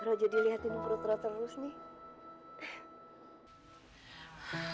rojo dilihatin nunggu nunggu terus nih